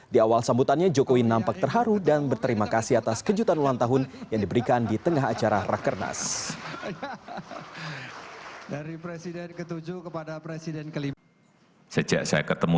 di awal sambutannya jokowi nampak terharu dan berterima kasih atas kejutan ulang tahun yang diberikan di tengah acara rakernas